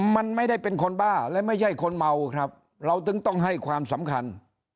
มันไม่ได้เป็นคนบ้าและไม่ใช่คนเมาครับเราถึงต้องให้ความสำคัญ